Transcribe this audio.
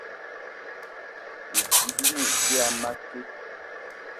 Bidi bi ne dia a makit